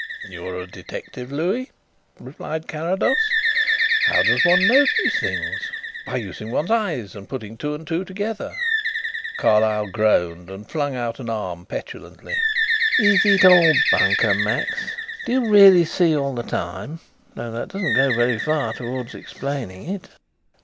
"You are a detective, Louis," replied Carrados. "How does one know these things? By using one's eyes and putting two and two together." Carlyle groaned and flung out an arm petulantly. "Is it all bunkum, Max? Do you really see all the time though that doesn't go very far towards explaining it."